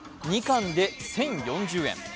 ２貫で１０４０円。